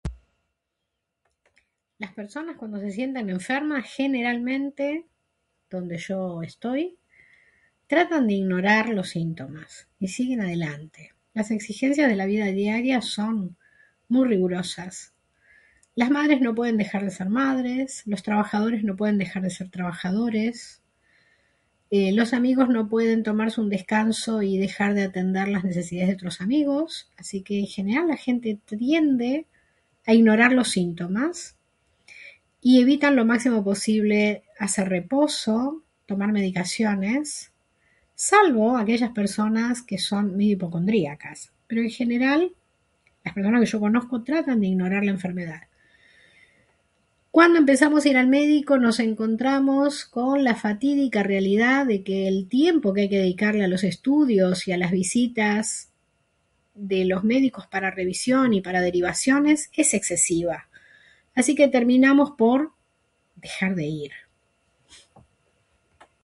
Las personas cuando se sienten enfermas generalmente donde yo estoy, tratan de ignorar los síntomas y siguen adelante. Las exigencias de la vida diaria son muy rigurosas: las madres no pueden dejar de ser madres, los trabajadores no pueden dejar de ser trabajadores... eh... los amigos no pueden tomarse un descanso y dejar de atender las necesidades de otros amigos, así que en general la gente tiende a ignorar los síntomas y evitan lo máximo posible hacer reposo, tomar medicaciones, salvo aquellas personas que son medio hipocondríacas. Pero en general, las personas que yo conozco, tratan de ignorar la enfermedad. Cuando empezamos a ir al médico nos encontramos con la fatídica realidad de que el tiempo que hay que dedicarle a los estudios y a las visitas de los médicos para revisión y para derivaciones es excesiva. Así que terminmos por... dejar de ir.